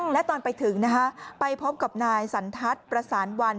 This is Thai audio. และตอนไปถึงไปพบกับนายสันทัศน์ประสานวัน